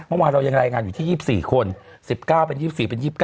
เมื่อวานเรายังรายงานอยู่ที่๒๔คน๑๙เป็น๒๔เป็น๒๙